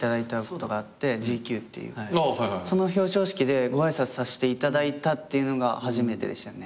その表彰式でご挨拶させていただいたっていうのが初めてでしたね。